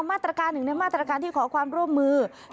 มาตรการหนึ่งในมาตรการที่ขอความร่วมมือ